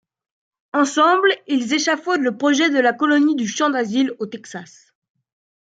Ensemble ils échafaudent le projet de la colonie du Champ d'Asile, au Texas.